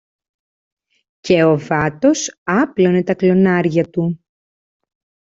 και ο βάτος άπλωνε τα κλωνάρια του